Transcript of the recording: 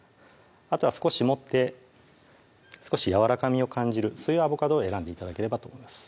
あとは少し持って少し柔らかみを感じるそういうアボカドを選んで頂ければと思います